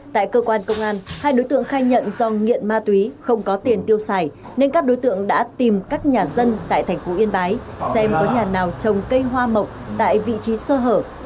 tại cơ quan công an hai đối tượng khai nhận do nghiện ma túy không có tiền tiêu xài nên các đối tượng đã tìm các nhà dân tại thành phố yên bái xem có nhà nào trồng cây hoa mộc tại vị trí sơ hở